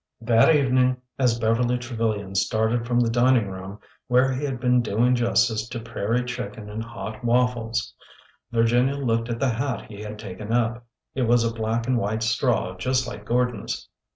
H ORDER NO. 11 That evening, as Beverly Trevilian started from the dining room, where he had been doing justice to prairie chicken and hot waffles, Virginia looked at the hat he had taken up. It was a black and white straw just like Gordon's.